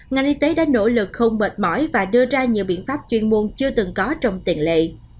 ngành y tế đã nỗ lực không mệt mỏi và đưa ra nhiều biện pháp chuyên môn chưa từng có trong tiền lệ